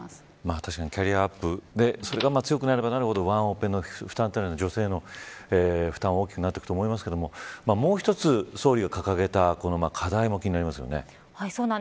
確かにキャリアアップでそれが強くなればなるほどワンオペの負担女性の負担は大きくなると思いますがもう一つ、総理が掲げた課題も気になりますよね。